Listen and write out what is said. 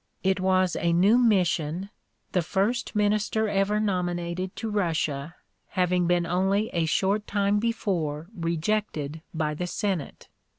It was a new mission, the first minister ever nominated to Russia having been only a short time before rejected by the Senate.